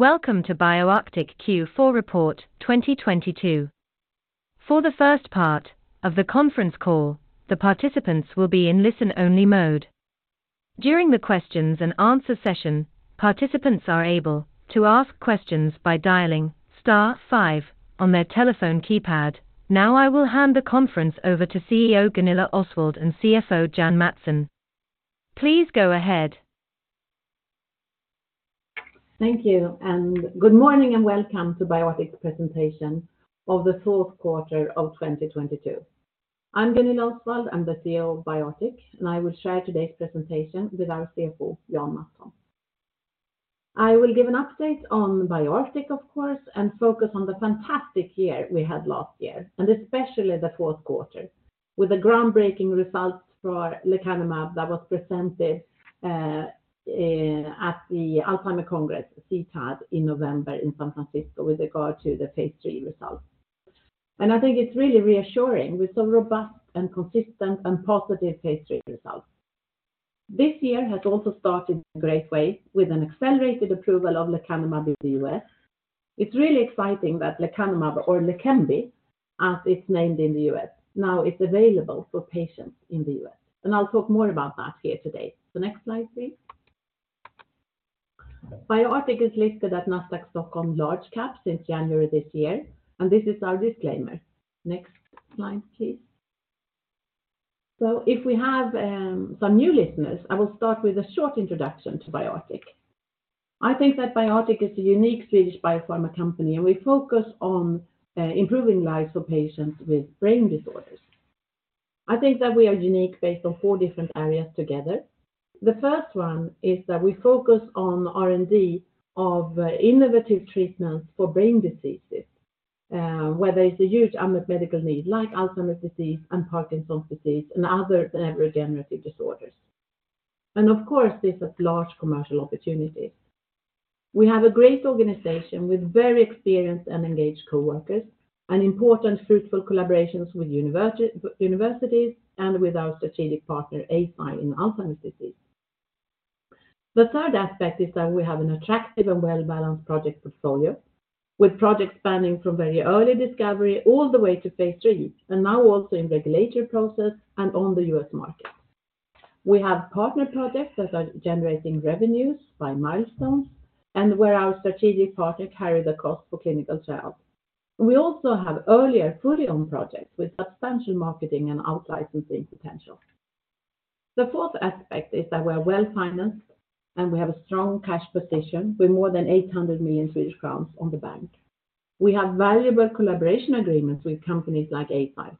Welcome to BioArctic Q4 report 2022. For the first part of the conference call, the participants will be in listen-only mode. During the questions and answer session, participants are able to ask questions by dialing star five on their telephone keypad. Now I will hand the conference over to CEO Gunilla Osswald and CFO Jan Mattsson. Please go ahead. Thank you. Good morning, and welcome to BioArctic presentation of the fourth quarter of 2022. I'm Gunilla Osswald. I'm the CEO of BioArctic, and I will share today's presentation with our CFO, Jan Mattsson. I will give an update on BioArctic, of course, and focus on the fantastic year we had last year, and especially the fourth quarter, with the groundbreaking results for lecanemab that was presented at the Alzheimer Congress, CTAD, in November in San Francisco with regard to the phase II results. I think it's really reassuring with some robust and consistent and positive phase III results. This year has also started in a great way with an accelerated approval of lecanemab in the U.S. It's really exciting that lecanemab, or Leqembi, as it's named in the U.S., now is available for patients in the U.S. I'll talk more about that here today. Next slide, please. BioArctic is listed at Nasdaq Stockholm Large Cap since January this year. This is our disclaimer. Next slide, please. If we have some new listeners, I will start with a short introduction to BioArctic. I think that BioArctic is a unique Swedish biopharma company. We focus on improving lives for patients with brain disorders. I think that we are unique based on four different areas together. The first one is that we focus on R&D of innovative treatments for brain diseases where there is a huge unmet medical need, like Alzheimer's disease and Parkinson's disease and other neurodegenerative disorders. Of course, this is large commercial opportunities. We have a great organization with very experienced and engaged coworkers, and important fruitful collaborations with universities and with our strategic partner, Eisai, in Alzheimer's disease. The third aspect is that we have an attractive and well-balanced project portfolio with projects spanning from very early discovery all the way to phase III, and now also in regulatory process and on the U.S. market. We have partner projects that are generating revenues by milestones and where our strategic partner carry the cost for clinical trials. We also have earlier fully own projects with substantial marketing and out-licensing potential. The fourth aspect is that we're well-financed, and we have a strong cash position with more than 800 million Swedish crowns on the bank. We have valuable collaboration agreements with companies like Eisai.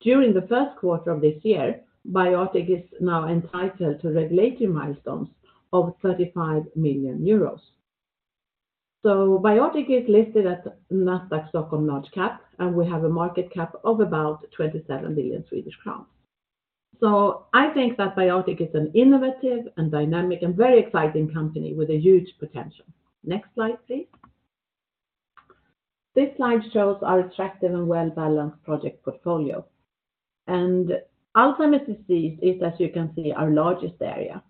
During the first quarter of this year, BioArctic is now entitled to regulatory milestones of 35 million euros. BioArctic is listed at Nasdaq Stockholm Large Cap, and we have a market cap of about 27 billion Swedish crowns. I think that BioArctic is an innovative and dynamic and very exciting company with a huge potential. Next slide, please. This slide shows our attractive and well-balanced project portfolio. Alzheimer's disease is, as you can see, our largest area.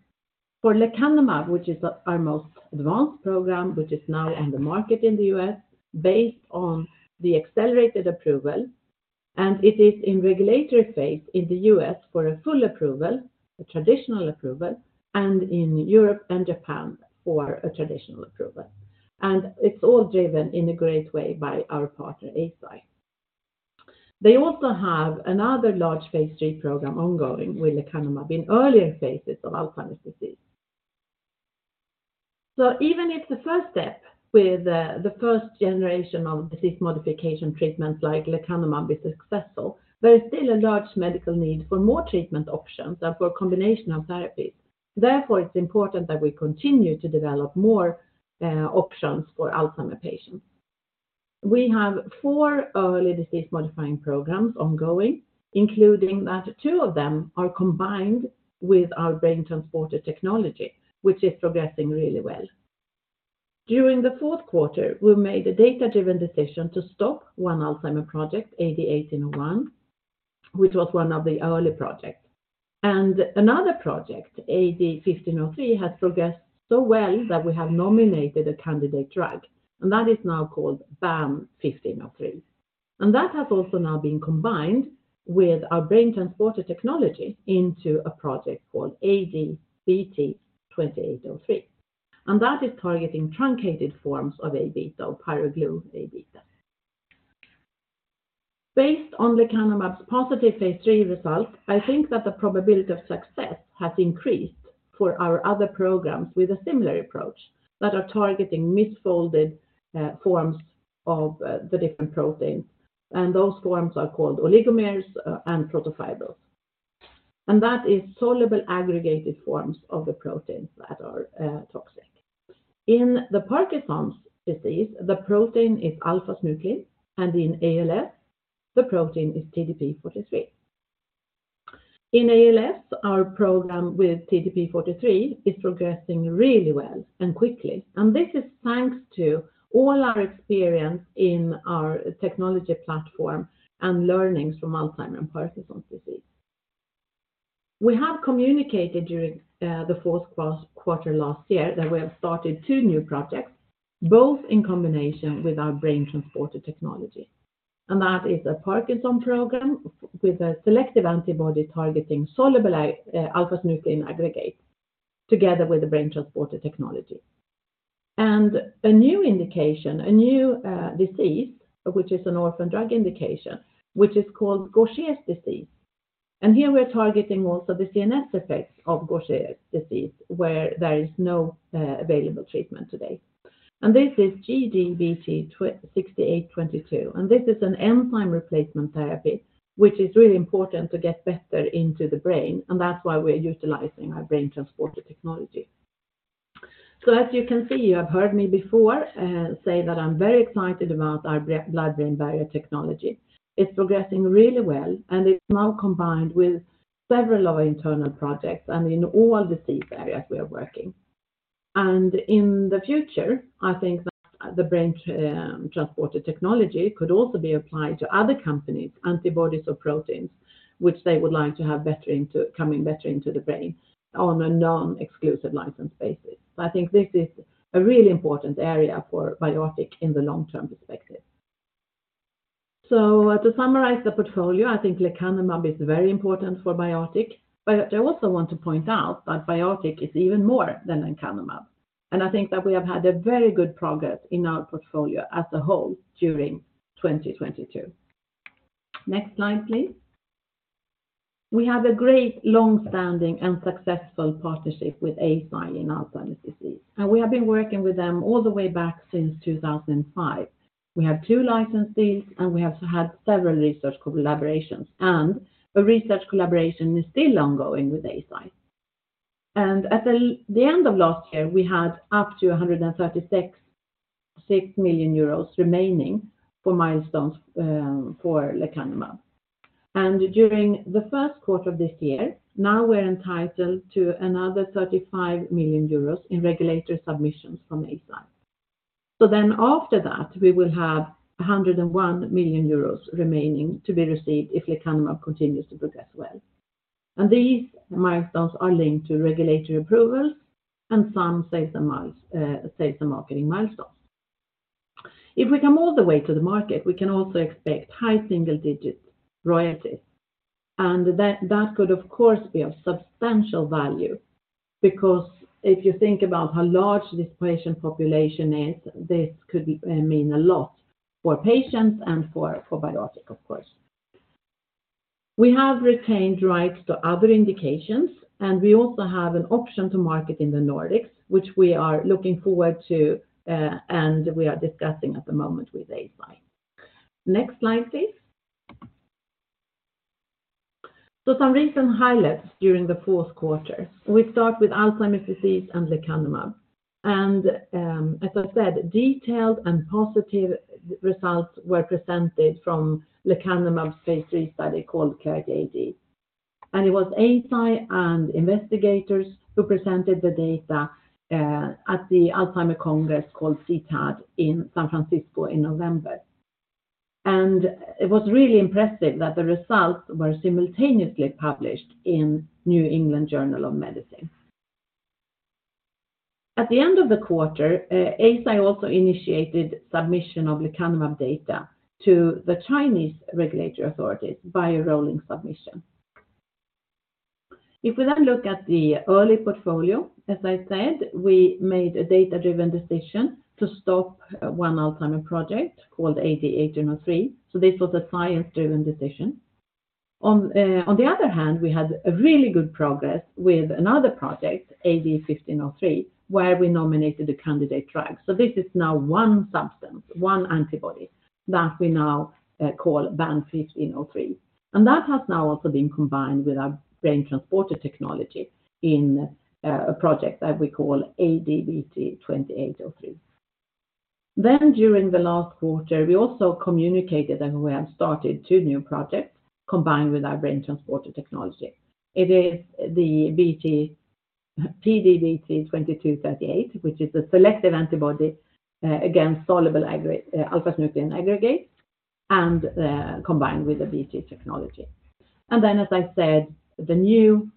For lecanemab, which is our most advanced program, which is now on the market in the U.S. based on the accelerated approval, and it is in regulatory phase in the U.S. for a full approval, a traditional approval, and in Europe and Japan for a traditional approval. It's all driven in a great way by our partner, Eisai. They also have another large phase III program ongoing with lecanemab in earlier phases of Alzheimer's disease. Even if the first step with the first generation of disease modification treatments like lecanemab is successful, there is still a large medical need for more treatment options and for a combination of therapies. Therefore, it's important that we continue to develop more options for Alzheimer patients. We have four early disease modifying programs ongoing, including that two of them are combined with our BrainTransporter technology, which is progressing really well. During the fourth quarter, we made a data-driven decision to stop one Alzheimer project, AD1801, which was one of the early projects. Another project, AD1503, has progressed so well that we have nominated a candidate drug, and that is now called BAN1503. That has also now been combined with our BrainTransporter technology into a project called AD-BT-2803, and that is targeting truncated forms of Aβ or Pyroglu-Aβ. Based on lecanemab's positive phase III results, I think that the probability of success has increased for our other programs with a similar approach that are targeting misfolded forms of the different proteins, and those forms are called oligomers and protofibrils. That is soluble aggregated forms of the proteins that are toxic. In Parkinson's disease, the protein is alpha-synuclein, and in ALS, the protein is TDP-43. In ALS, our program with TDP-43 is progressing really well and quickly. This is thanks to all our experience in our technology platform and learnings from Alzheimer's and Parkinson's disease. We have communicated during the fourth quarter last year that we have started two new projects, both in combination with our BrainTransporter technology. That is a Parkinson program with a selective antibody targeting soluble alpha-synuclein aggregates together with the BrainTransporter technology. A new indication, a new disease, which is an orphan drug indication, which is called Gaucher disease. Here we are targeting also the CNS effects of Gaucher disease, where there is no available treatment today. This is GD-BT6822, and this is an enzyme replacement therapy, which is really important to get better into the brain, and that's why we're utilizing our BrainTransporter technology. As you can see, you have heard me before say that I'm very excited about our blood-brain barrier technology. It's progressing really well, and it's now combined with several of our internal projects and in all disease areas we are working. In the future, I think that the BrainTransporter technology could also be applied to other companies, antibodies or proteins which they would like to have coming better into the brain on a non-exclusive license basis. I think this is a really important area for BioArctic in the long-term perspective. To summarize the portfolio, I think lecanemab is very important for BioArctic, but I also want to point out that BioArctic is even more than lecanemab. I think that we have had a very good progress in our portfolio as a whole during 2022. Next slide, please. We have a great long-standing and successful partnership with Eisai in Alzheimer's disease. We have been working with them all the way back since 2005. We have two licensees. We have had several research collaborations. A research collaboration is still ongoing with Eisai. At the end of last year, we had up to 136.6 million euros remaining for milestones for lecanemab. During the first quarter of this year, now we're entitled to another 35 million euros in regulatory submissions from Eisai. After that, we will have 101 million euros remaining to be received if lecanemab continues to progress well. These milestones are linked to regulatory approvals and some safe and marketing milestones. If we come all the way to the market, we can also expect high single-digit royalties. That could of course be of substantial value because if you think about how large this patient population is, this could mean a lot for patients and for BioArctic, of course. We have retained rights to other indications, and we also have an option to market in the Nordics, which we are looking forward to, and we are discussing at the moment with Eisai. Next slide, please. Some recent highlights during the fourth quarter. We start with Alzheimer's disease and lecanemab. As I said, detailed and positive results were presented from lecanemab phase III study called CLARITY-AD. It was Eisai and investigators who presented the data at the Alzheimer's Congress called CTAD in San Francisco in November. It was really impressive that the results were simultaneously published in The New England Journal of Medicine. At the end of the quarter, Eisai also initiated submission of lecanemab data to the Chinese regulatory authorities via rolling submission. If we then look at the early portfolio, as I said, we made a data-driven decision to stop one Alzheimer project called AD-1803. This was a science-driven decision. On the other hand, we had a really good progress with another project, AD-1503, where we nominated a candidate drug. This is now one substance, one antibody that we now call BAN1503. That has now also been combined with our BrainTransporter technology in a project that we call AD-BT-2803. During the last quarter, we also communicated that we have started two new projects combined with our BrainTransporter technology. It is the BT, PD-BT2238, which is a selective antibody against soluble alpha-synuclein aggregates and combined with the BT technology. As I said, the new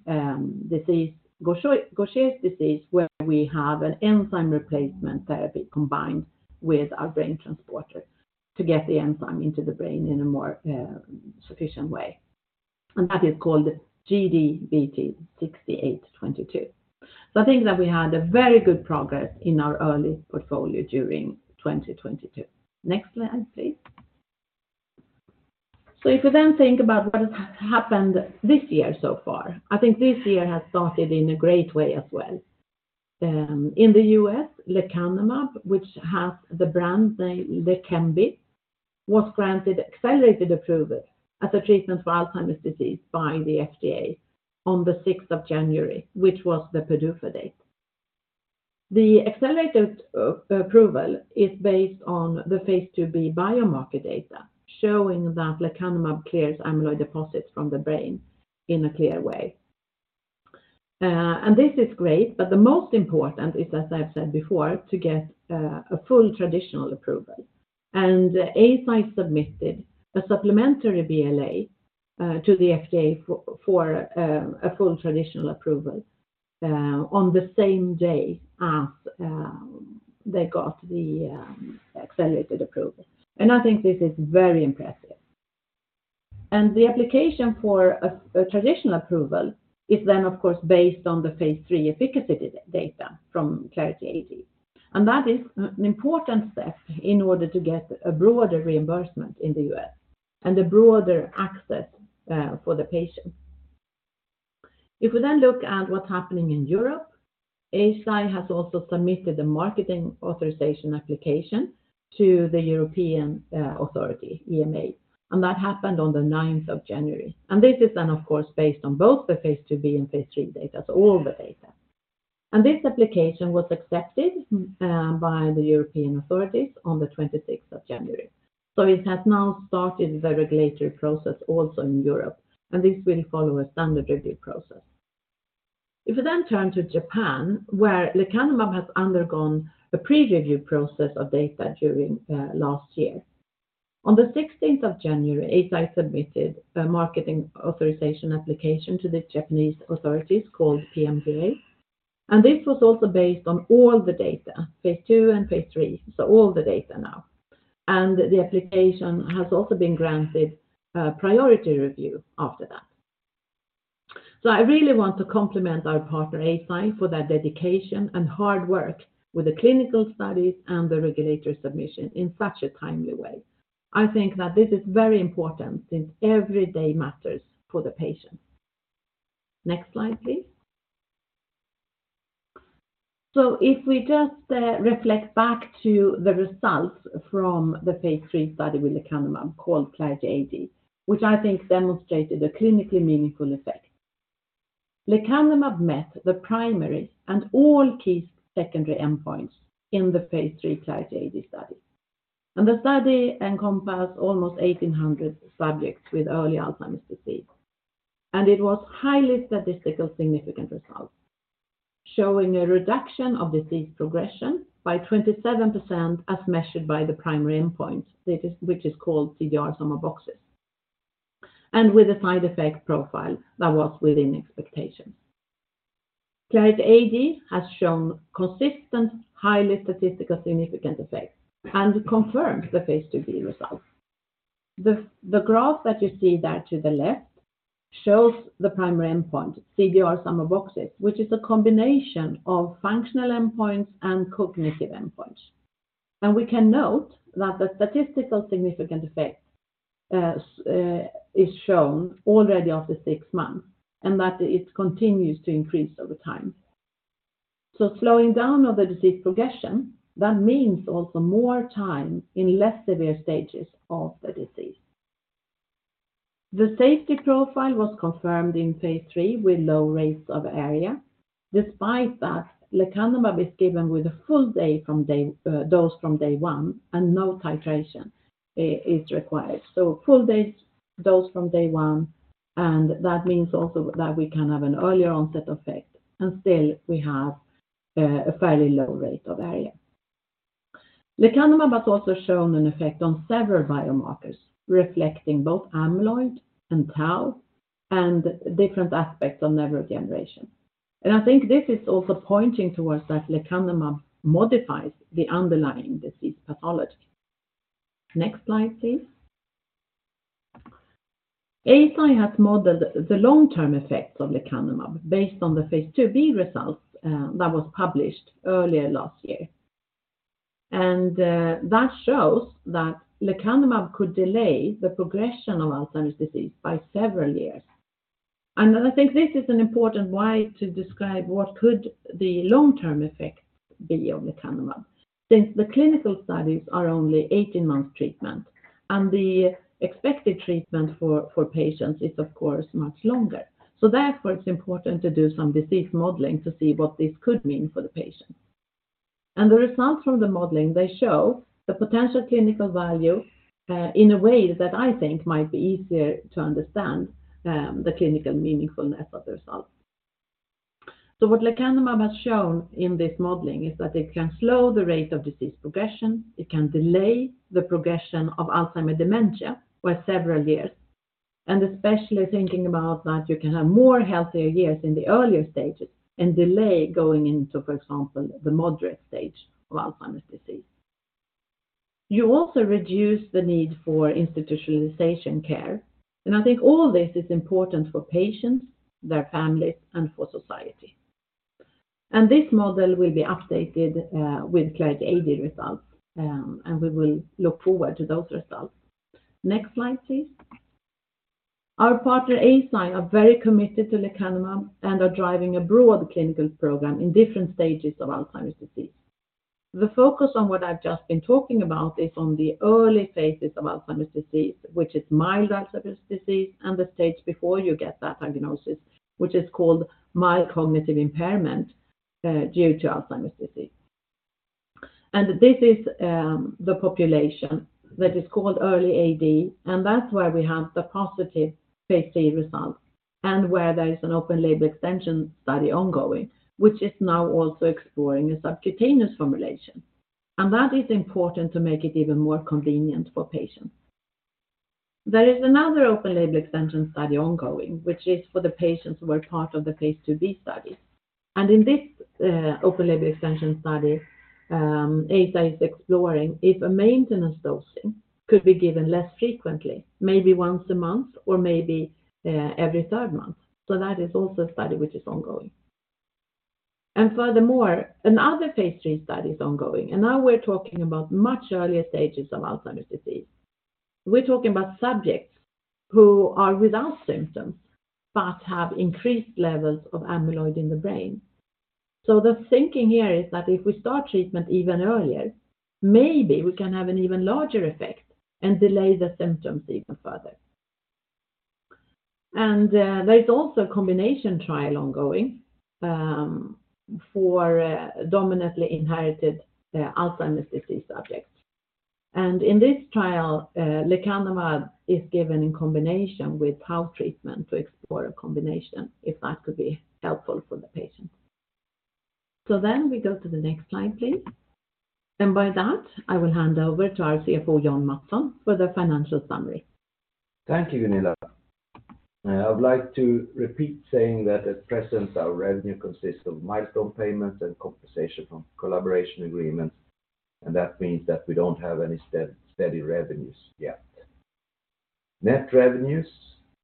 disease, Gaucher disease, where we have an enzyme replacement therapy combined with our BrainTransporter to get the enzyme into the brain in a more sufficient way. That is called GD-BT6822. I think that we had a very good progress in our early portfolio during 2022. Next slide, please. If you then think about what has happened this year so far, I think this year has started in a great way as well. In the U.S., lecanemab which has the brand name Leqembi, was granted accelerated approval as a treatment for Alzheimer's disease by the FDA on the 6th of January, which was the PDUFA date. The accelerated approval is based on the phase II-B biomarker data showing that lecanemab clears amyloid deposits from the brain in a clear way. This is great, but the most important is, as I've said before, to get a full traditional approval. Eisai submitted a supplementary BLA to the FDA for a full traditional approval on the same day as they got the accelerated approval. I think this is very impressive. The application for a traditional approval is then of course, based on the phase III efficacy data from Clarity AD. That is an important step in order to get a broader reimbursement in the U.S. and a broader access for the patients. Looking at what's happening in Europe, Eisai has also submitted a marketing authorization application to the European authority, EMA, and that happened on the 9th of January. This is of course, based on both the phase II-B and phase III data, so all the data. This application was accepted by the European authorities on the 26th of January. It has now started the regulatory process also in Europe, and this will follow a standard review process. Turning to Japan, where lecanemab has undergone a pre-review process of data during last year. On the 16th of January, Eisai submitted a marketing authorization application to the Japanese authorities called PMDA. This was also based on all the data, phase II and phase III, so all the data now. The application has also been granted priority review after that. I really want to complement our partner, Eisai, for their dedication and hard work with the clinical studies and the regulatory submission in such a timely way. I think that this is very important since every day matters for the patient. Next slide, please. If we just reflect back to the results from the phase III study with lecanemab called Clarity AD, which I think demonstrated a clinically meaningful effect. lecanemab met the primary and all key secondary endpoints in the phase III Clarity AD study. The study encompassed almost 1,800 subjects with early Alzheimer's disease. It was highly statistical significant results, showing a reduction of disease progression by 27% as measured by the primary endpoint, which is called CDR Sum of Boxes, and with a side effect profile that was within expectations. Clarity AD has shown consistent, highly statistical significant effects and confirmed the phase II-B results. The graph that you see there to the left shows the primary endpoint, CDR Sum of Boxes, which is a combination of functional endpoints and cognitive endpoints. We can note that the statistical significant effect is shown already after six months, and that it continues to increase over time. Slowing down of the disease progression, that means also more time in less severe stages of the disease. The safety profile was confirmed in phase III with low rates of ARIA. Despite that, lecanemab is given with a full dose from day one, and no titration is required. Full days dose from day one, that means also that we can have an earlier onset effect, still we have a fairly low rate of ARIA. lecanemab has also shown an effect on several biomarkers reflecting both amyloid and tau and different aspects of neurodegeneration. I think this is also pointing towards that lecanemab modifies the underlying disease pathology. Next slide, please. Eisai has modeled the long-term effects of lecanemab based on the phase II-B results that was published earlier last year. That shows that lecanemab could delay the progression of Alzheimer's disease by several years. I think this is an important way to describe what could the long-term effects be of lecanemab. Since the clinical studies are only 18-month treatment, the expected treatment for patients is of course much longer. Therefore, it's important to do some disease modeling to see what this could mean for the patient. The results from the modeling, they show the potential clinical value in a way that I think might be easier to understand the clinical meaningfulness of the results. What lecanemab has shown in this modeling is that it can slow the rate of disease progression, it can delay the progression of Alzheimer dementia for several years, and especially thinking about that you can have more healthier years in the earlier stages and delay going into, for example, the moderate stage of Alzheimer's disease. You also reduce the need for institutionalization care. I think all this is important for patients, their families, and for society. This model will be updated with Clarity AD results, and we will look forward to those results. Next slide, please. Our partner, Eisai, are very committed to lecanemab and are driving a broad clinical program in different stages of Alzheimer's disease. The focus on what I've just been talking about is on the early phases of Alzheimer's disease, which is mild Alzheimer's disease and the stage before you get that diagnosis, which is called mild cognitive impairment due to Alzheimer's disease. This is the population that is called Early AD, and that's why we have the positive phase III results and where there is an open label extension study ongoing, which is now also exploring a subcutaneous formulation. That is important to make it even more convenient for patients. There is another open label extension study ongoing, which is for the patients who are part of the phase II-B study. In this open label extension study, Eisai is exploring if a maintenance dosing could be given less frequently, maybe once a month or maybe every 3rd month. That is also a study which is ongoing. Furthermore, another phase III study is ongoing, and now we're talking about much earlier stages of Alzheimer's disease. We're talking about subjects who are without symptoms but have increased levels of amyloid in the brain. The thinking here is that if we start treatment even earlier, maybe we can have an even larger effect and delay the symptoms even further. There is also a combination trial ongoing for dominantly inherited Alzheimer's disease subjects. In this trial, lecanemab is given in combination with tau treatment to explore a combination if that could be helpful for the patient. We go to the next slide, please. By that, I will hand over to our CFO, Jan Mattsson, for the financial summary. Thank you, Gunilla. I would like to repeat saying that at present our revenue consists of milestone payments and compensation from collaboration agreements, and that means that we don't have any steady revenues yet. Net revenues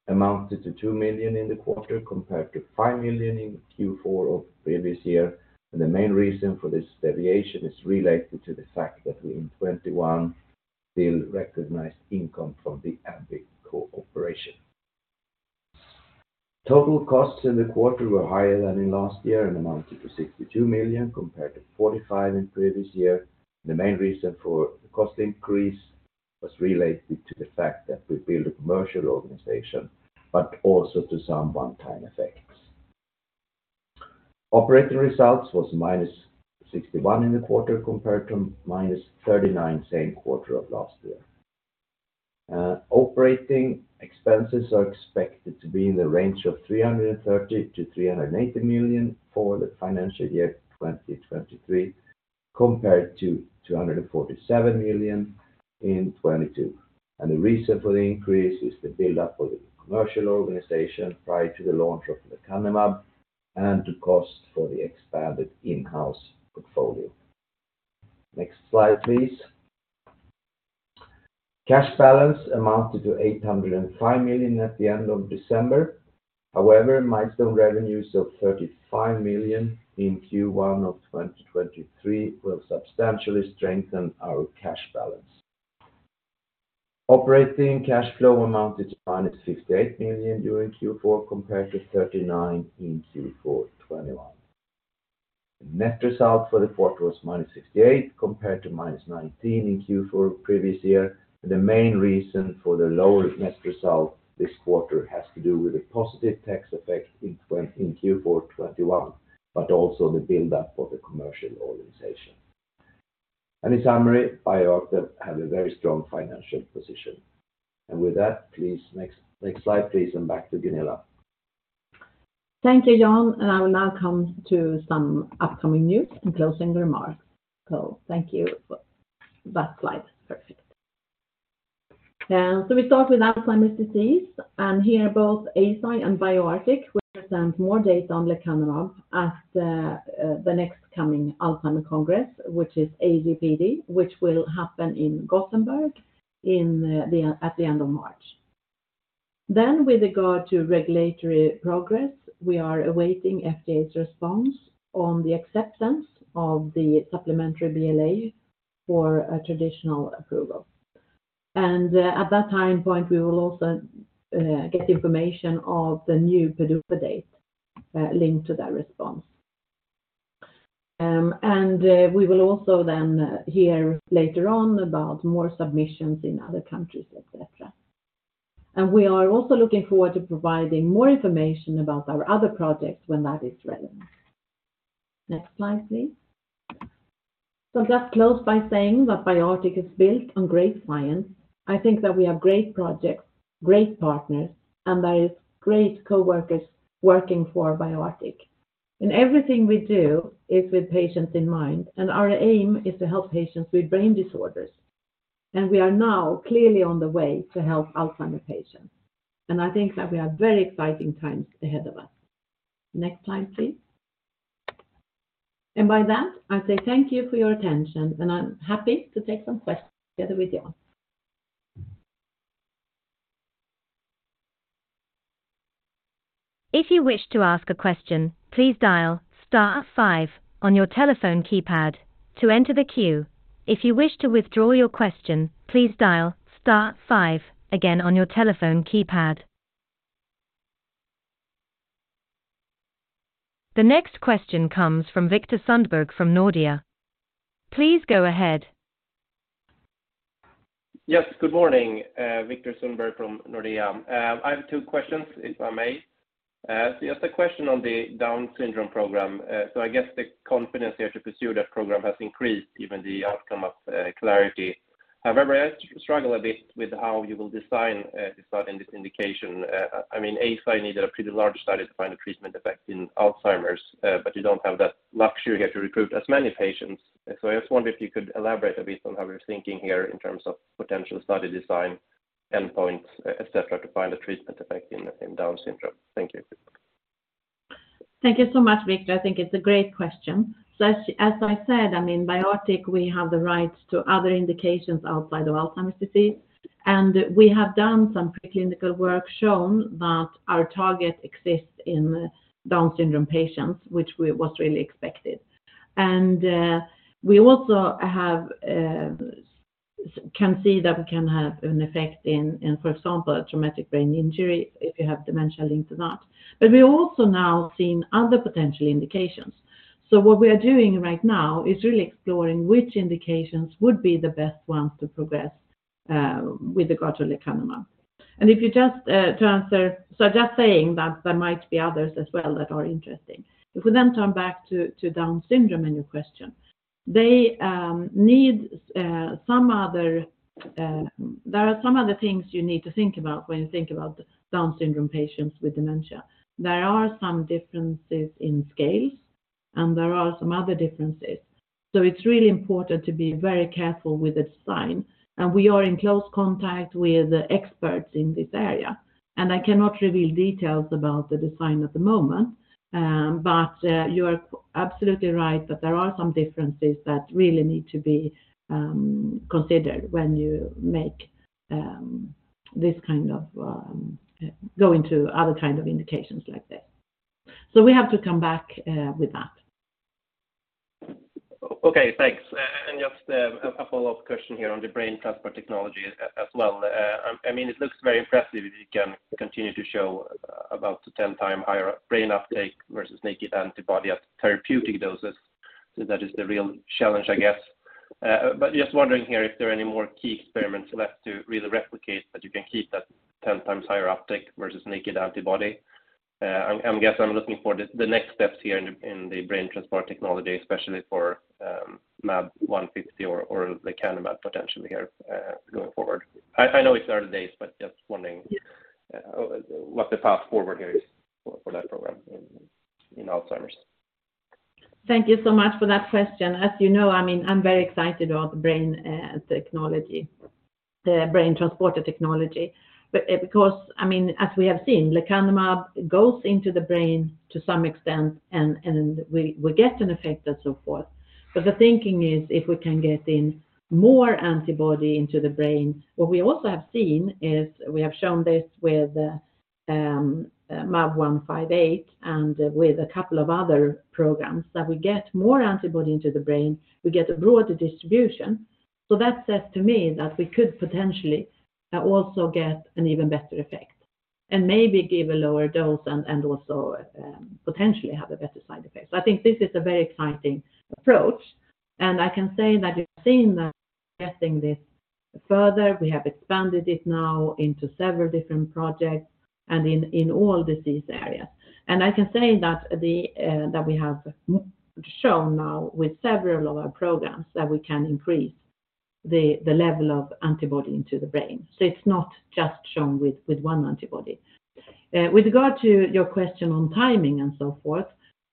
amounted to 2 million in the quarter, compared to 5 million in Q4 of previous year. The main reason for this deviation is related to the fact that we in 2021 still recognize income from the AbbVie cooperation. Total costs in the quarter were higher than in last year and amounted to 62 million compared to 45 million in previous year. The main reason for the cost increase was related to the fact that we build a commercial organization but also to some one-time effects. Operating results was negative 61 million in the quarter compared to negative 39 million same quarter of last year. Operating expenses are expected to be in the range of 330 million-380 million for the financial year 2023 compared to 247 million in 2022. The reason for the increase is the build-up of the commercial organization prior to the launch of lecanemab and to cost for the expanded in-house portfolio. Next slide, please. Cash balance amounted to 805 million at the end of December. However, milestone revenues of 35 million in Q1 of 2023 will substantially strengthen our cash balance. Operating cash flow amounted to minus 58 million during Q4 compared to 39 million in Q4 2021. Net result for the quarter was minus 68 million compared to minus 19 million in Q4 previous year. The main reason for the lower net result this quarter has to do with the positive tax effect in Q4 2021, but also the build-up of the commercial organization. In summary, BioArctic have a very strong financial position. With that, please next slide, please, back to Gunilla. Thank you, Jan. I will now come to some upcoming news and closing remarks. Thank you for that slide. Perfect. We start with Alzheimer's disease, and here both Eisai and BioArctic will present more data on lecanemab at the next coming Alzheimer Congress, which is AD/PD, which will happen in Gothenburg at the end of March. With regard to regulatory progress, we are awaiting FDA's response on the acceptance of the supplementary BLA for a traditional approval. At that time point, we will also get information of the new PDUFA date linked to that response. We will also hear later on about more submissions in other countries, et cetera. We are also looking forward to providing more information about our other projects when that is relevant. Next slide, please. I'll just close by saying that BioArctic is built on great science. I think that we have great projects, great partners, and there is great coworkers working for BioArctic. Everything we do is with patients in mind, and our aim is to help patients with brain disorders. We are now clearly on the way to help Alzheimer patients. I think that we have very exciting times ahead of us. Next slide, please. By that, I say thank you for your attention. I'm happy to take some questions together with Jan. If you wish to ask a question, please dial star five on your telephone keypad to enter the queue. If you wish to withdraw your question, please dial star five again on your telephone keypad. The next question comes from Viktor Sundberg from Nordea. Please go ahead. Yes. Good morning. Viktor Sundberg from Nordea. I have two questions, if I may. Just a question on the Down Syndrome program. I guess the confidence here to pursue that program has increased given the outcome of Clarity. However, I struggle a bit with how you will design this in this indication. I mean, Eisai needed a pretty large study to find a treatment effect in Alzheimer's, but you don't have that luxury here to recruit as many patients. I just wondered if you could elaborate a bit on how you're thinking here in terms of potential study design, endpoints, et cetera, to find a treatment effect in Down Syndrome. Thank you. Thank you so much, Viktor. I think it's a great question. As I said, I mean BioArctic we have the rights to other indications outside of Alzheimer's disease, and we have done some preclinical work shown that our target exists in Down syndrome patients, was really expected. We also have can see that we can have an effect in, for example, a traumatic brain injury if you have dementia linked to that. We're also now seeing other potential indications. What we are doing right now is really exploring which indications would be the best ones to progress with the gotulecanumab. If you just saying that there might be others as well that are interesting. We then turn back to Down Syndrome in your question, they need some other there are some other things you need to think about when you think about Down Syndrome patients with dementia. There are some differences in scales, and there are some other differences. It's really important to be very careful with the design. We are in close contact with the experts in this area. I cannot reveal details about the design at the moment, but you are absolutely right that there are some differences that really need to be considered when you make this kind of go into other kind of indications like this. We have to come back with that. Okay. Thanks. Just a follow-up question here on the BrainTransporter technology as well. I mean, it looks very impressive if you can continue to show about the 10x higher brain uptake versus naked antibody at therapeutic doses. That is the real challenge, I guess. Just wondering here if there are any more key experiments left to really replicate that you can keep that 10x higher uptake versus naked antibody. I guess I'm looking for the next steps here in the BrainTransporter technology, especially for mAb158 or lecanemab potentially here going forward. I know it's early days, but just wondering what the path forward here is for that program in Alzheimer's. Thank you so much for that question. As you know, I mean, I'm very excited about the brain technology, the BrainTransporter technology. Because, I mean, as we have seen, lecanemab goes into the brain to some extent and we get an effect and so forth. The thinking is if we can get in more antibody into the brain, what we also have seen is we have shown this with mAb158 and with a couple of other programs, that we get more antibody into the brain, we get a broader distribution. That says to me that we could potentially also get an even better effect and maybe give a lower dose and also potentially have a better side effect. I think this is a very exciting approach, I can say that you've seen that getting this further, we have expanded it now into several different projects and in all disease areas. I can say that the that we have shown now with several of our programs that we can increase the level of antibody into the brain. It's not just shown with one antibody. With regard to your question on timing and so forth,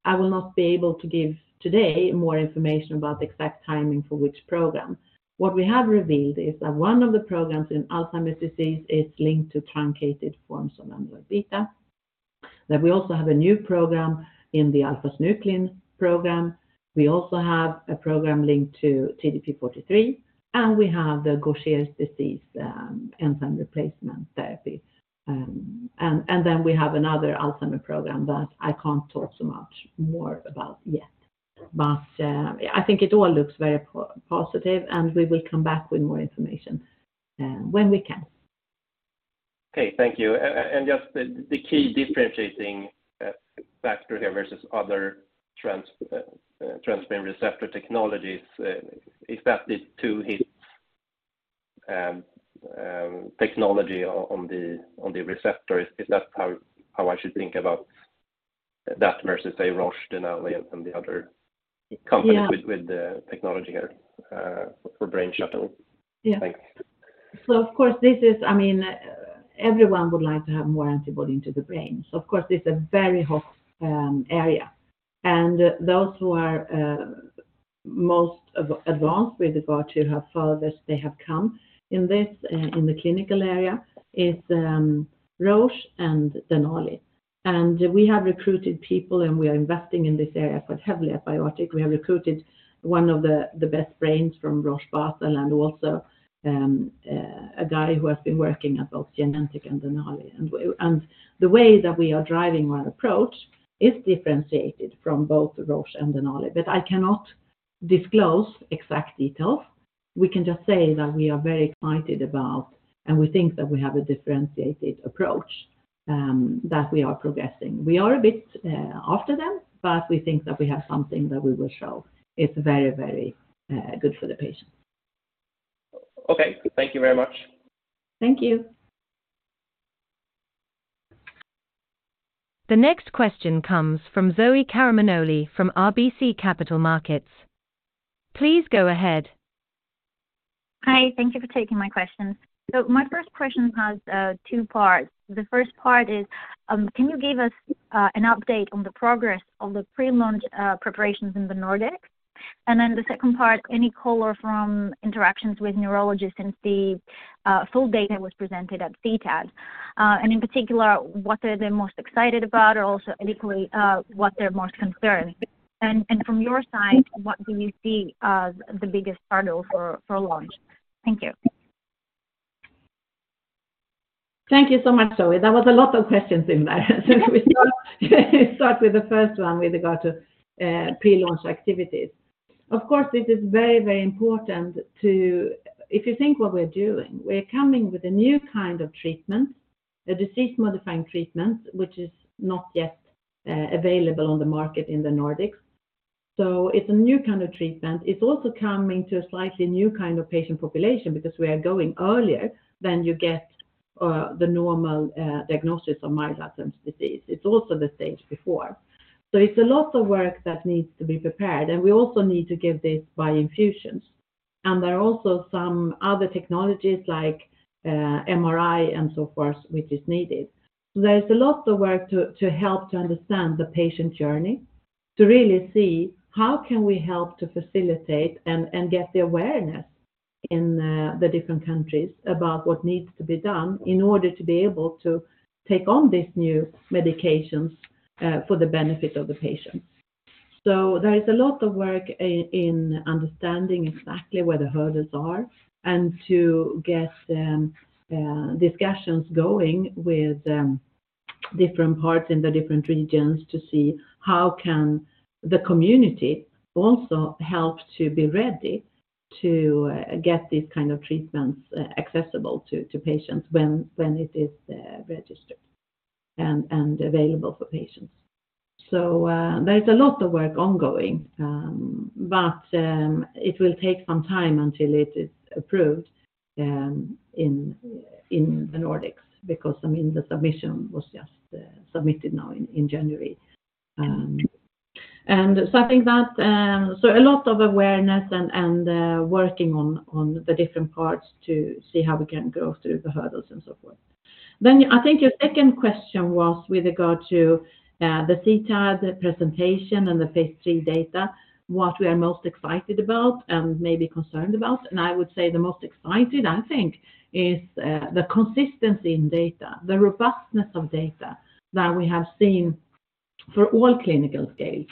I will not be able to give today more information about the exact timing for which program. What we have revealed is that one of the programs in Alzheimer's disease is linked to truncated forms of amyloid beta, that we also have a new program in the alpha-synuclein program. We also have a program linked to TDP-43, and we have the Gaucher disease enzyme replacement therapy. We have another Alzheimer program that I can't talk so much more about yet. I think it all looks very positive, and we will come back with more information when we can. Okay. Thank you. Just the key differentiating factor here versus other transmembrane receptor technologies, is that the two hits technology on the receptor, is that how I should think about that versus, say, Roche, Denali, and the other companies... Yeah. with the technology here, for Brainshuttle? Yeah. Thanks. Of course, this is. I mean, everyone would like to have more antibody into the brain. Of course, it's a very hot area. Those who are most of advanced with regard to how far they have come in this in the clinical area is Roche and Denali. We have recruited people, and we are investing in this area quite heavily at BioArctic. We have recruited one of the best brains from Roche Basel and also a guy who has been working at both Genentech and Denali. The way that we are driving our approach is differentiated from both Roche and Denali, but I cannot disclose exact details. We can just say that we are very excited about, and we think that we have a differentiated approach that we are progressing. We are a bit, after them, but we think that we have something that we will show is very, very, good for the patient. Okay. Thank you very much. Thank you. The next question comes from Zoe Karamanoli from RBC Capital Markets. Please go ahead. Hi. Thank you for taking my questions. My first question has two parts. The first part is, can you give us an update on the progress on the pre-launch preparations in the Nordics? The second part, any color from interactions with neurologists since the full data was presented at CTAD. In particular, what are they most excited about, or also equally, what they're most concerned? From your side, what do you see as the biggest hurdle for launch? Thank you. Thank you so much, Zoe. There was a lot of questions in there. We start with the first one with regard to pre-launch activities. Of course, it is very, very important to-- If you think what we're doing, we're coming with a new kind of treatment, a disease-modifying treatment, which is not yet available on the market in the Nordics. It's a new kind of treatment. It's also coming to a slightly new kind of patient population because we are going earlier than you get the normal diagnosis of Myasthenia Gravis. It's also the stage before. It's a lot of work that needs to be prepared, and we also need to give this by infusions. There are also some other technologies like MRI and so forth, which is needed. There's a lot of work to help to understand the patient journey, to really see how can we help to facilitate and get the awareness in the different countries about what needs to be done in order to be able to take on these new medications for the benefit of the patient. There is a lot of work in understanding exactly where the hurdles are and to get discussions going with different parts in the different regions to see how can the community also help to be ready to get these kind of treatments accessible to patients when it is registered and available for patients. There's a lot of work ongoing, but it will take some time until it is approved in the Nordics because, I mean, the submission was just submitted now in January. I think that a lot of awareness and working on the different parts to see how we can go through the hurdles and so forth. I think your second question was with regard to the CTAD presentation and the phase III data, what we are most excited about and maybe concerned about. I would say the most exciting, I think, is the consistency in data, the robustness of data that we have seen for all clinical scales.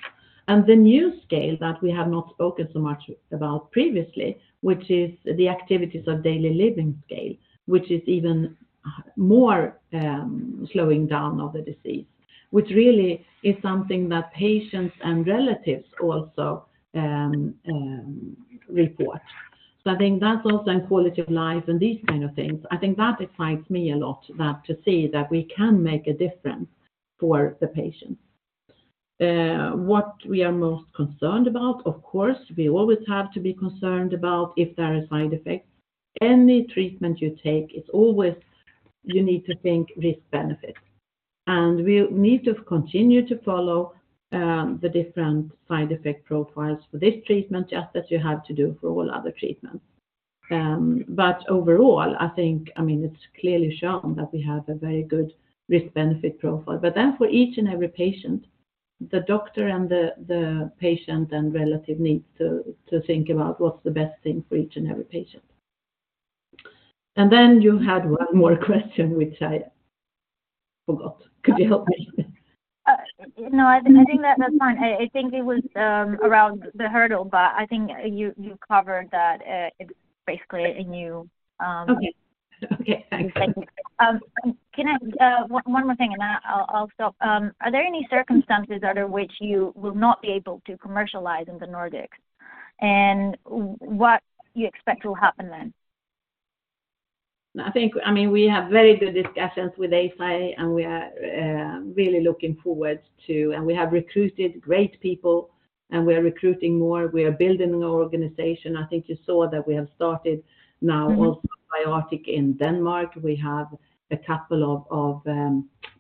The new scale that we have not spoken so much about previously, which is the activities of daily living scale, which is even more slowing down of the disease, which really is something that patients and relatives also report. I think that's also in quality of life and these kind of things. I think that excites me a lot, that to see that we can make a difference for the patients. What we are most concerned about, of course, we always have to be concerned about if there are side effects. Any treatment you take is always you need to think risk-benefit. We need to continue to follow the different side effect profiles for this treatment just as you have to do for all other treatments. Overall, I think, I mean, it's clearly shown that we have a very good risk-benefit profile. For each and every patient, the doctor and the patient and relative needs to think about what's the best thing for each and every patient. You had one more question which I forgot. Could you help me? No, I think that that's fine. I think it was around the hurdle, but I think you covered that basically in you. Okay. Okay. Thanks. Thank you. One more thing, then I'll stop. Are there any circumstances under which you will not be able to commercialize in the Nordics? What you expect will happen then? I think, I mean, we have very good discussions with Eisai, and we are really looking forward to. We have recruited great people, and we are recruiting more. We are building an organization. I think you saw that we have started now also BioArctic in Denmark. We have a couple of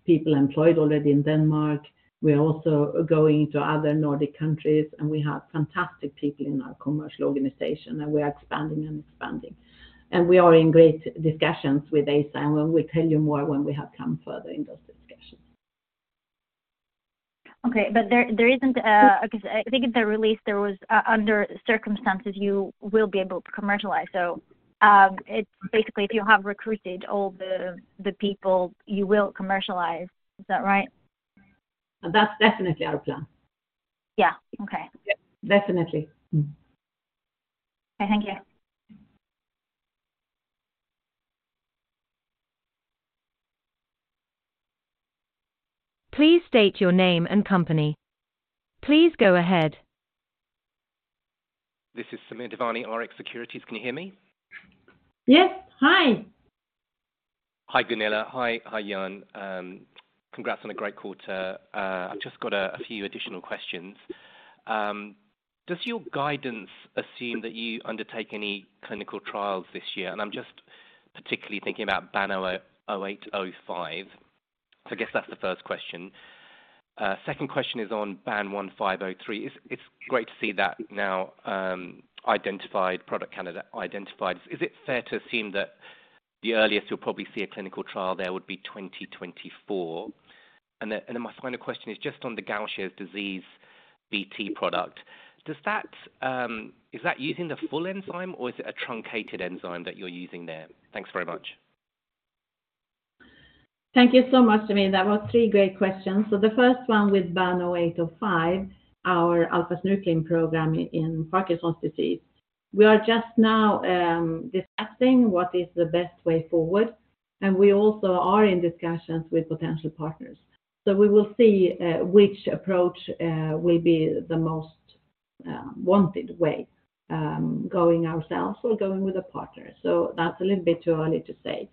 people employed already in Denmark. We are also going to other Nordic countries, and we have fantastic people in our commercial organization, and we are expanding and expanding. We are in great discussions with Eisai, and we'll tell you more when we have come further in those discussions. Okay. there isn't a... 'Cause I think in the release, there was under circumstances you will be able to commercialize. It's basically if you have recruited all the people, you will commercialize. Is that right? That's definitely our plan. Yeah. Okay. Definitely. Okay. Thank you. Please state your name and company. Please go ahead. This is Samir Devani, Rx Securities. Can you hear me? Yes. Hi. Hi, Gunilla. Hi, Jan. Congrats on a great quarter. I've just got a few additional questions. Does your guidance assume that you undertake any clinical trials this year? I'm just particularly thinking about BAN0805. I guess that's the first question. Second question is on BAN1503. It's great to see that now identified product candidate identified. Is it fair to assume that the earliest you'll probably see a clinical trial there would be 2024? Then my final question is just on the Gaucher disease BT product. Is that using the full enzyme or is it a truncated enzyme that you're using there? Thanks very much. Thank you so much, Samir. That was three great questions. The first one with BAN0805, our alpha-synuclein program in Parkinson's disease. We are just now discussing what is the best way forward, and we also are in discussions with potential partners. We will see which approach will be the most wanted way going ourselves or going with a partner. That's a little bit too early to say.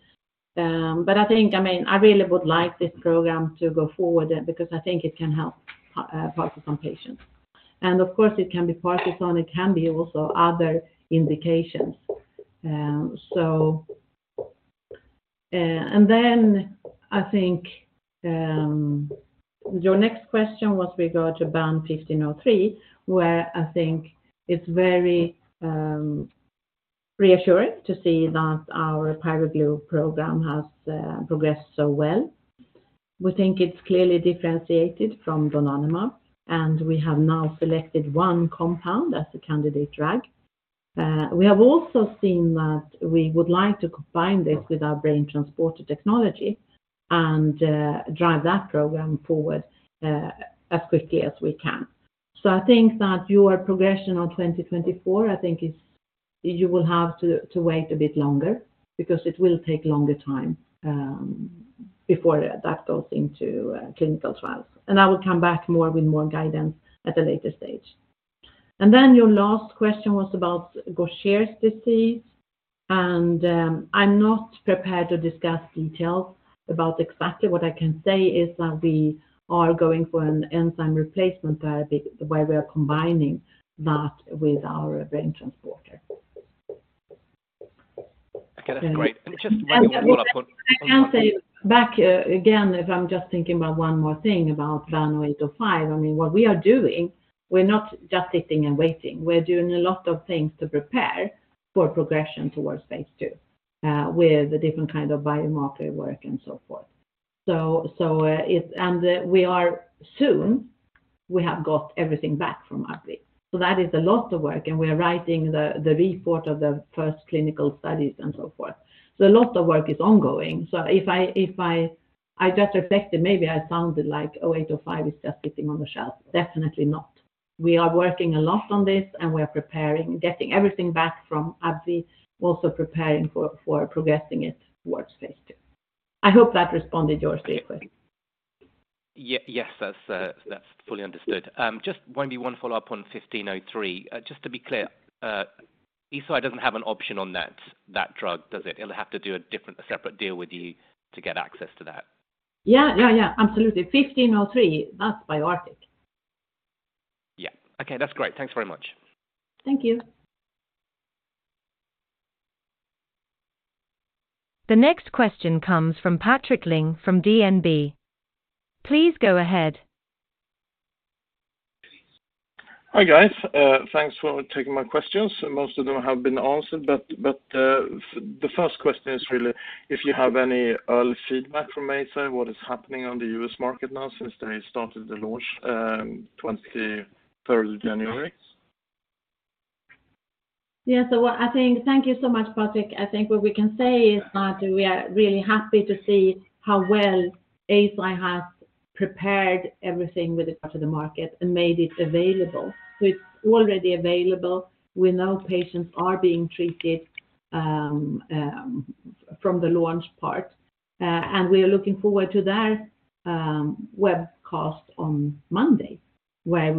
I think, I mean, I really would like this program to go forward because I think it can help Parkinson patients. Of course, it can be Parkinson, it can be also other indications. Then I think your next question was regard to BAN1503, where I think it's very reassuring to see that our Pyroglu program has progressed so well. We think it's clearly differentiated from donanemab, and we have now selected one compound as a candidate drug. We have also seen that we would like to combine this with our BrainTransporter technology and drive that program forward as quickly as we can. I think that your progression on 2024, I think is you will have to wait a bit longer because it will take longer time before that goes into clinical trials. I will come back more with more guidance at a later stage. Your last question was about Gaucher disease, and I'm not prepared to discuss details about exactly. What I can say is that we are going for an enzyme replacement therapy where we are combining that with our BrainTransporter. Okay, that's great. Just maybe one follow-up. I can say back again, if I'm just thinking about one more thing about BAN0805, I mean, what we are doing, we're not just sitting and waiting. We're doing a lot of things to prepare for progression towards phase II with a different kind of biomarker work and so forth. We are soon we have got everything back from AbbVie. That is a lot of work, and we are writing the report of the first clinical studies and so forth. A lot of work is ongoing. If I just reflected, maybe I sounded like 0805 is just sitting on the shelf. Definitely not. We are working a lot on this, and we are preparing, getting everything back from AbbVie, also preparing for progressing it towards phase II. I hope that responded your three questions. Yes, that's fully understood. Just maybe one follow-up on 1503. Just to be clear, Eisai doesn't have an option on that drug, does it? It'll have to do a different, separate deal with you to get access to that. Yeah. Yeah. Yeah. Absolutely. 1503, that's BioArctic. Yeah. Okay. That's great. Thanks very much. Thank you. The next question comes from Patrik Ling from DNB. Please go ahead. Hi, guys. thanks for taking my questions. Most of them have been answered, but, the first question is really if you have any early feedback from Eisai, what is happening on the U.S. market now since they started the launch, 23rd of January? Thank you so much, Patrik. I think what we can say is that we are really happy to see how well Eisai has prepared everything with regard to the market and made it available. It's already available. We know patients are being treated, from the launch part, and we are looking forward to their webcast on Monday, where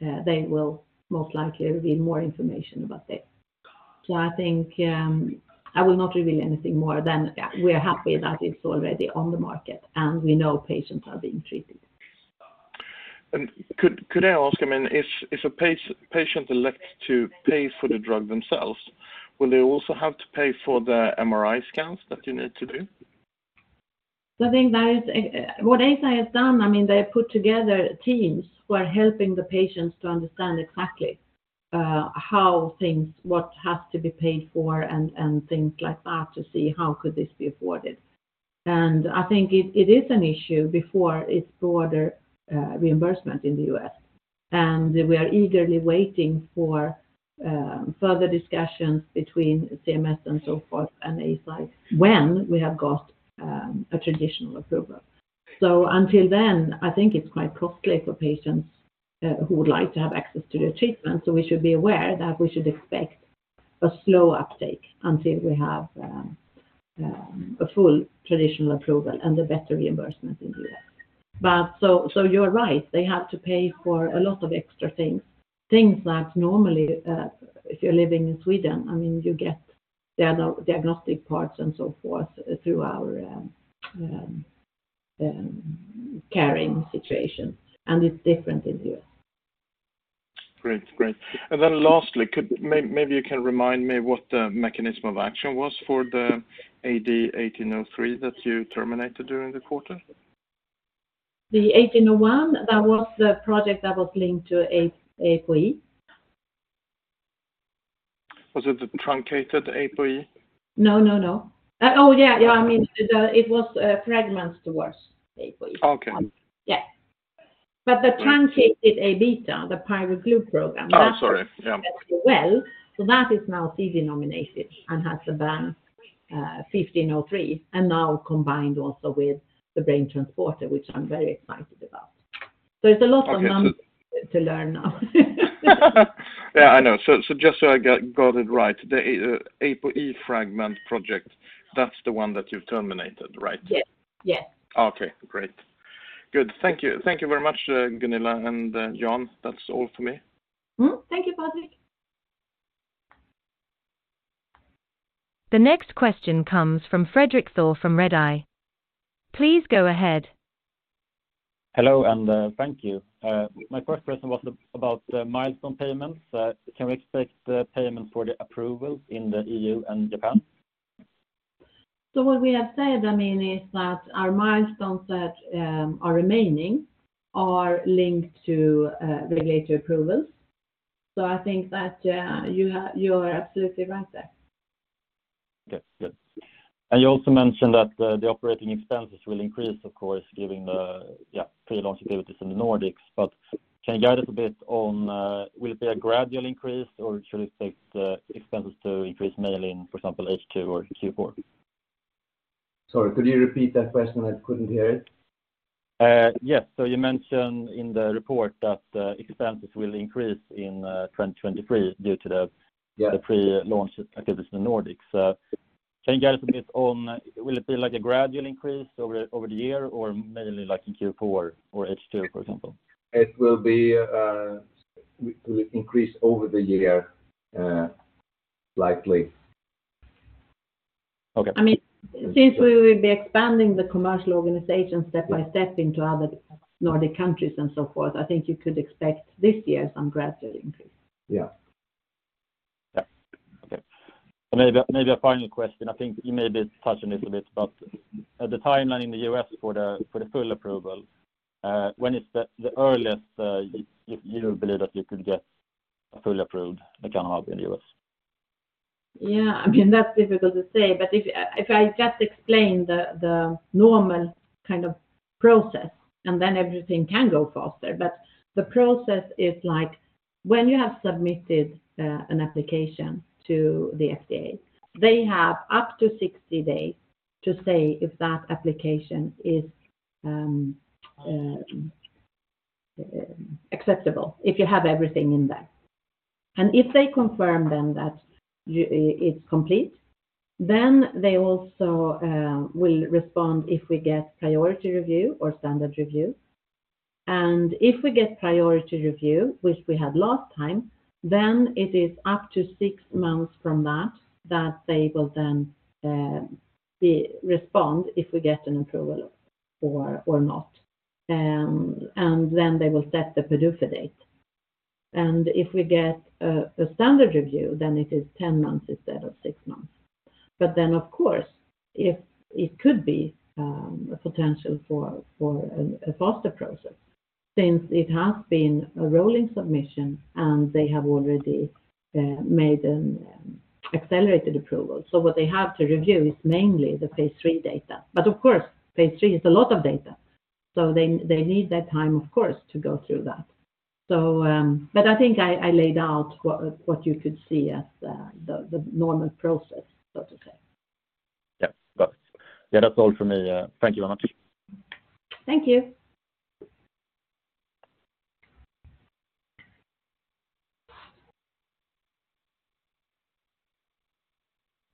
they will most likely reveal more information about it. I will not reveal anything more than we are happy that it's already on the market and we know patients are being treated. Could I ask, I mean, if a patient elect to pay for the drug themselves, will they also have to pay for the MRI scans that you need to do? I think that is, what Eisai has done, I mean, they put together teams who are helping the patients to understand exactly, how things, what has to be paid for and things like that to see how could this be afforded. I think it is an issue before it's broader, reimbursement in the U.S. We are eagerly waiting for further discussions between CMS and so forth and Eisai when we have got a traditional approval. Until then, I think it's quite costly for patients, who would like to have access to their treatment. We should be aware that we should expect a slow uptake until we have a full traditional approval and a better reimbursement in the U.S. You're right, they have to pay for a lot of extra things. Things that normally, if you're living in Sweden, I mean, you get diagnostic parts and so forth through our caring situation, and it's different in the U.S. Great. Lastly, could maybe you can remind me what the mechanism of action was for the AD-1803 that you terminated during the quarter. The AD1801 that was the project that was linked to ApoE. Was it the truncated ApoE? No. Oh, yeah. I mean, It was fragments towards ApoE. Okay. Yeah. the truncated Aβ, the Pyroglu program- Oh, sorry. Yeah. that did well. That is now CD nominated and has a brand, 1503, and now combined also with the BrainTransporter, which I'm very excited about. It's a lot of numbers to learn now. I know. So, just so I got it right, the ApoE fragment project, that's the one that you've terminated, right? Yes. Yes. Okay, great. Good. Thank you. Thank you very much, Gunilla and Jan. That's all for me. Thank you, Patrik. The next question comes from Fredrik Thor from Redeye. Please go ahead. Hello, thank you. My first question was about the milestone payments. Can we expect the payment for the approval in the EU and Japan? What we have said, I mean, is that our milestones that are remaining are linked to regulatory approvals. I think that, yeah, you are absolutely right there. Okay, good. You also mentioned that the operating expenses will increase, of course, given the pre-launch activities in the Nordics. Can you guide us a bit on, will it be a gradual increase, or should it take the expenses to increase mainly in, for example, H2 or Q4? Sorry, could you repeat that question? I couldn't hear it. yes. You mentioned in the report that expenses will increase in 2023 due to... Yeah. the pre-launch activities in the Nordics. Can you guide us a bit on will it be like a gradual increase over the year or mainly like in Q4 or H2, for example? It will be, it will increase over the year, likely. Okay. I mean, since we will be expanding the commercial organization step by step into other Nordic countries and so forth, I think you could expect this year some gradual increase. Yeah. Yeah. Okay. Maybe a final question. I think you maybe touched a little bit, but the timeline in the U.S. for the full approval, when is the earliest you believe that you could get fully approved lecanemab in the U.S.? Yeah, I mean, that's difficult to say. If I just explain the normal kind of process, and then everything can go faster. The process is like when you have submitted an application to the FDA, they have up to 60 days to say if that application is acceptable, if you have everything in there. If they confirm then that it's complete, then they also will respond if we get priority review or standard review. If we get priority review, which we had last time, then it is up to six months from that they will then re-respond if we get an approval or not. Then they will set the PDUFA date. If we get a standard review, then it is 10 months instead of 6 months. Of course, if it could be a potential for a faster process since it has been a rolling submission and they have already made an accelerated approval. What they have to review is mainly the phase III data. Of course, phase III is a lot of data, so they need that time of course to go through that. I think I laid out what you could see as the normal process, so to say. Yeah. That's all for me. Thank you very much. Thank you.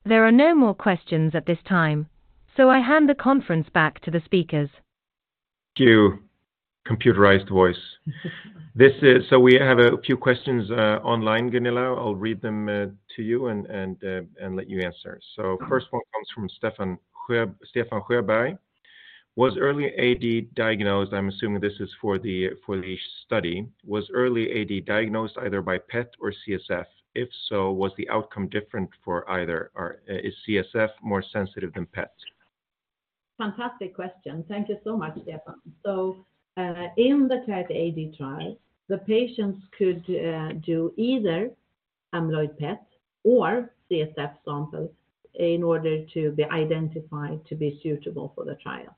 There are no more questions at this time, so I hand the conference back to the speakers. Thank you, computerized voice. This is. We have a few questions online, Gunilla. I'll read them to you and let you answer. First one comes from Stefan Quiberg. Was early AD diagnosed? I'm assuming this is for the study. Was early AD diagnosed either by PET or CSF? If so, was the outcome different for either or is CSF more sensitive than PET? Fantastic question. Thank you so much, Stefan. In the Clarity-AD trial, the patients could do either amyloid PET or CSF sample in order to be identified to be suitable for the trial.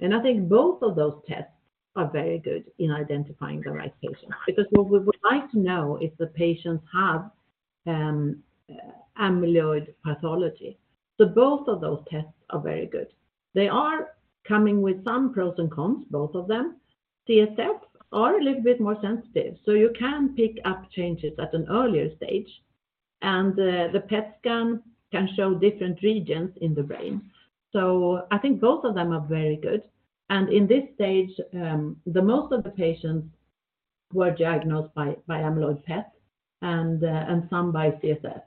I think both of those tests are very good in identifying the right patient because what we would like to know if the patients have amyloid pathology. Both of those tests are very good. They are coming with some pros and cons, both of them. CSF are a little bit more sensitive, so you can pick up changes at an earlier stage, and the PET scan can show different regions in the brain. I think both of them are very good. In this stage, the most of the patients were diagnosed by amyloid PET and some by CSF.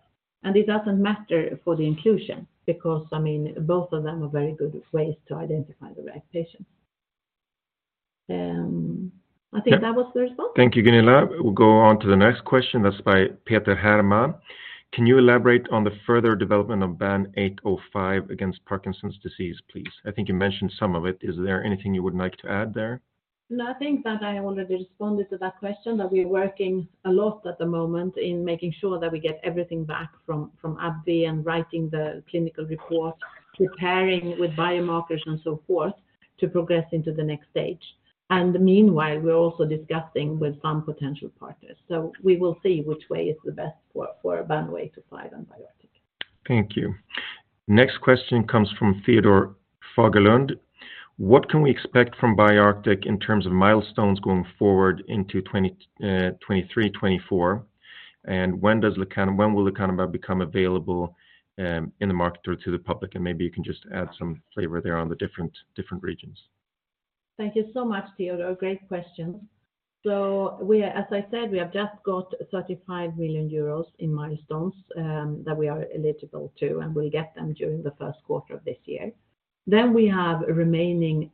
It doesn't matter for the inclusion because, I mean, both of them are very good ways to identify the right patient. I think that was the response. Thank you, Gunilla. We'll go on to the next question that's by Peter Herrmann. Can you elaborate on the further development of BAN0805 against Parkinson's disease, please? I think you mentioned some of it. Is there anything you would like to add there? No, I think that I already responded to that question, that we're working a lot at the moment in making sure that we get everything back from AbbVie and writing the clinical report, preparing with biomarkers and so forth, to progress into the next stage. Meanwhile, we're also discussing with some potential partners. We will see which way is the best for BAN0805 and BioArctic. Thank you. Next question comes from Teodor Fagerlund. What can we expect from BioArctic in terms of milestones going forward into 2023, 2024? When will lecanemab become available in the market or to the public? Maybe you can just add some flavor there on the different regions. Thank you so much, Teodor. Great questions. We, as I said, we have just got 35 million euros in milestones that we are eligible to, and we'll get them during the first quarter of this year. We have remaining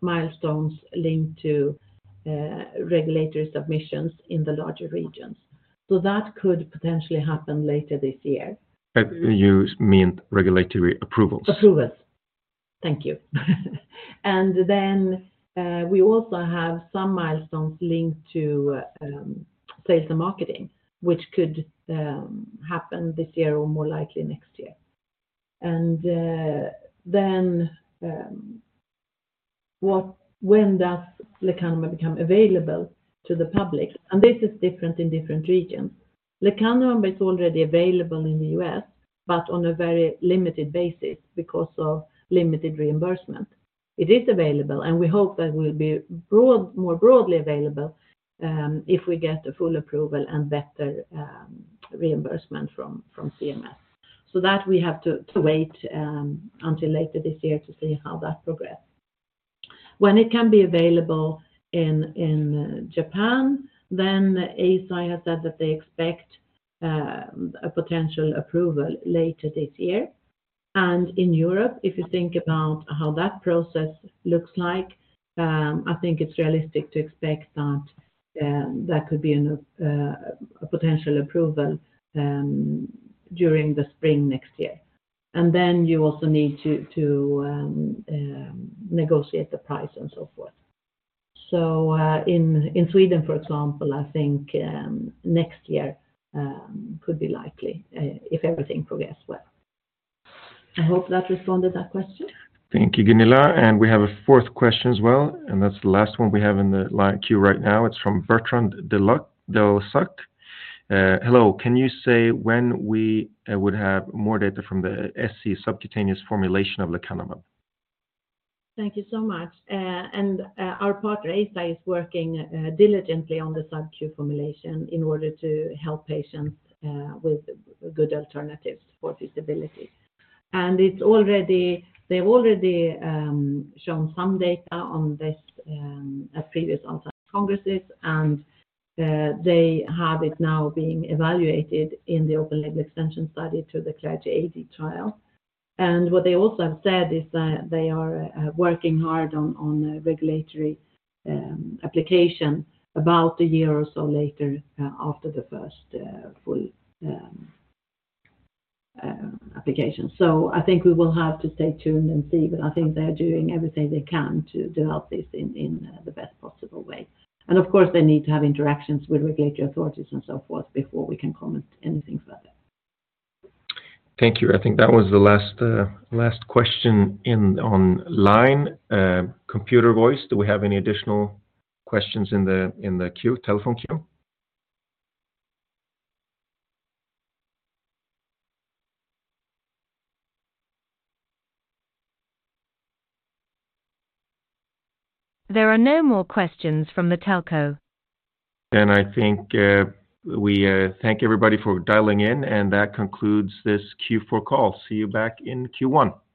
milestones linked to regulatory submissions in the larger regions. That could potentially happen later this year. You mean regulatory approvals? Approvals. Thank you. Then, we also have some milestones linked to sales and marketing, which could happen this year or more likely next year. When does lecanemab become available to the public? This is different in different regions. lecanemab is already available in the U.S., but on a very limited basis because of limited reimbursement. It is available, and we hope that it will be broad, more broadly available, if we get a full approval and better reimbursement from CMS. That we have to wait until later this year to see how that progress. When it can be available in Japan, Eisai has said that they expect a potential approval later this year. In Europe, if you think about how that process looks like, I think it's realistic to expect that could be an a potential approval during the spring next year. Then you also need to negotiate the price and so forth. In Sweden, for example, I think next year could be likely, if everything progress well. I hope that responded that question. Thank you, Gunilla. We have a fourth question as well, and that's the last one we have in the line queue right now. It's from Bertrand Delsuc. "Hello, can you say when we would have more data from the SC subcutaneous formulation of lecanemab? Thank you so much. Our partner, Eisai, is working diligently on the sub-Q formulation in order to help patients with good alternatives for feasibility. They've already shown some data on this at previous onsite congresses, they have it now being evaluated in the open-label extension study to the Clarity AD trial. What they also have said is that they are working hard on a regulatory application about a year or so later after the first full application. I think we will have to stay tuned and see, but I think they are doing everything they can to help this in the best possible way. Of course, they need to have interactions with regulatory authorities and so forth before we can comment anything further. Thank you. I think that was the last question online. Computer voice, do we have any additional questions in the queue, telephone queue? There are no more questions from the telco. I think, we, thank everybody for dialing in, and that concludes this Q4 call. See you back in Q1. Thank you.